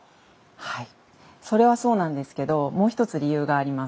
はいそれはそうなんですけどもう一つ理由があります。